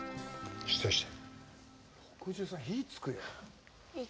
失礼して。